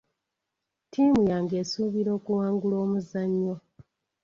Ttiimu yange esuubira okuwangula omuzannyo.